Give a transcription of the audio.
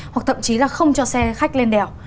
hoặc thậm chí là không cho xe khách lên đèo